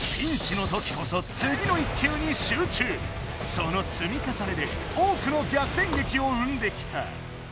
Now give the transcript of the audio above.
その積み重ねで多くの逆転劇を生んできた。